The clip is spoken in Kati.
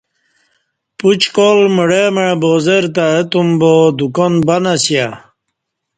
پعوچکال مڑہ مع بازارتہ اہ تم با دکان بند اسیہ